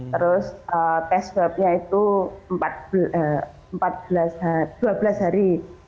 terus tes swabnya itu dua belas hari